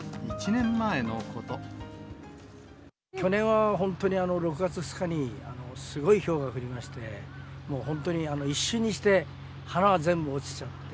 去年は本当に６月２日に、すごいひょうが降りまして、本当に一瞬にして、花は全部落ちちゃって。